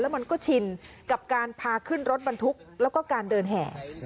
มันก็ชินกับการพาขึ้นรถบรรทุกแล้วก็การเดินแห่